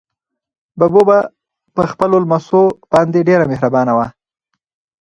ببو په خپلو لمسو باندې ډېره مهربانه وه.